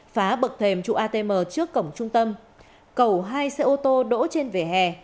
phá bậc thềm trụ atm trước cổng trung tâm cầu hai xe ô tô đỗ trên vỉa hè